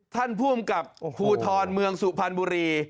ท่านผู้อำกับภูทรเมืองสุพรรณบุรี